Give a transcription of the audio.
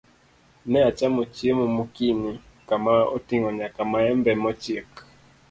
Ne achamo chiemo mokinyi kama oting'o nyaka maembe mochiek.